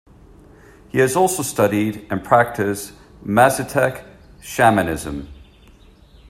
He has also studied and practiced Mazatec shamanism.